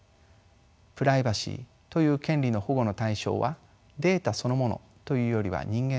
プライバシーという権利の保護の対象はデータそのものというよりは人間です。